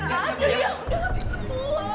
aduh ya udah abis semua